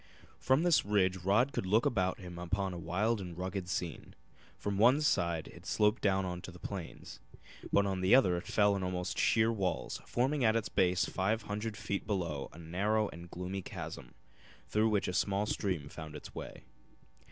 From this ridge Rod could look about him upon a wild and rugged scene. On one side it sloped down to the plains, but on the other it fell in almost sheer walls, forming at its base five hundred feet below a narrow and gloomy chasm, through which a small stream found its way.